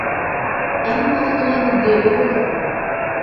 এমন কথা তোমার মুখ দিয়ে বের হল!